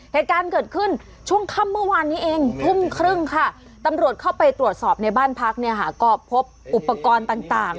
เหตุการณ์เกิดขึ้นช่วงค่ำเมื่อวานนี้เองทุ่มครึ่งค่ะตำรวจเข้าไปตรวจสอบในบ้านพักเนี่ยค่ะก็พบอุปกรณ์ต่าง